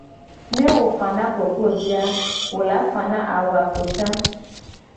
Ne wo fana koklovi a wo la fana ahwako ca.